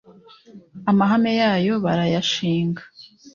Amahame yayo barayashinga